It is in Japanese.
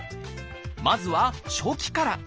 まずは初期から。